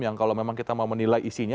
yang kalau memang kita mau menilai isinya